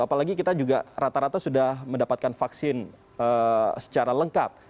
apalagi kita juga rata rata sudah mendapatkan vaksin secara lengkap